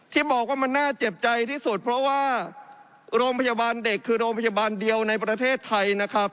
ที่บอกว่ามันน่าเจ็บใจที่สุดเพราะว่าโรงพยาบาลเด็กคือโรงพยาบาลเดียวในประเทศไทยนะครับ